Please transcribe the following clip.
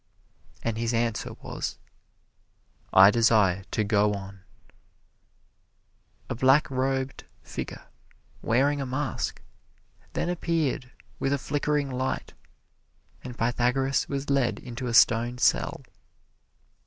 And his answer was, "I desire to go on." A black robed figure, wearing a mask, then appeared with a flickering light, and Pythagoras was led into a stone cell.